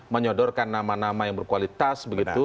menyodorkan nama nama yang berkualitas begitu